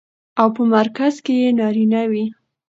او په مرکز کې يې نارينه وي.